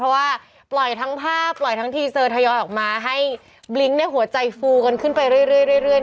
เพราะว่าปล่อยทั้งภาพปล่อยทั้งทีเซอร์ทยอยออกมาให้บลิ้งหัวใจฟูกันขึ้นไปเรื่อย